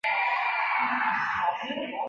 区政府驻地为农通。